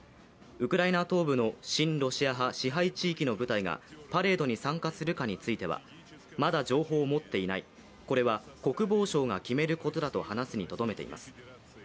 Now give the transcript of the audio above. ウクライナ東部の親ロシア派支配地域の部隊がパレードに参加するかについてはまだ情報を持っていないこれは国防省が決めることだと話すにとどめています。